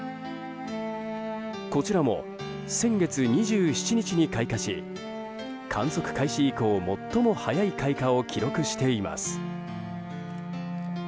こちらも先月２７日に開花し観測開始以降最も早い開花を記録しています。